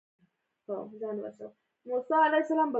افغانستان د کونډو او یتیمانو هیواد دی